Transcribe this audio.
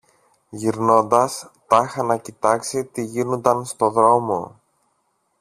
γυρνώντας τάχα να κοιτάξει τι γίνουνταν στο δρόμο